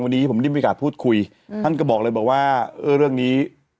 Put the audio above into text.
วันนี้ผมได้มีโอกาสพูดคุยท่านก็บอกเลยบอกว่าเออเรื่องนี้